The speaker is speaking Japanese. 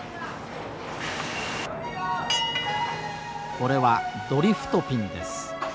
これはドリフト・ピンです。